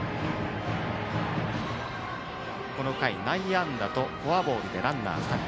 この回、内野安打とフォアボールで、ランナー２人。